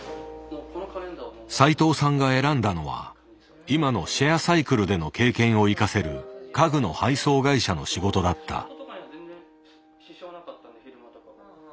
斉藤さんが選んだのは今のシェアサイクルでの経験を生かせる家具の配送会社の仕事だった。